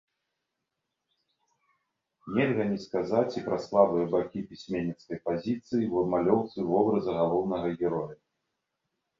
Нельга не сказаць і пра слабыя бакі пісьменніцкай пазіцыі ў абмалёўцы вобраза галоўнага героя.